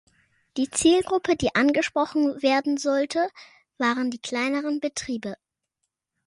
Die Zielgruppe, die angesprochen werden sollte, waren die kleineren Betriebe.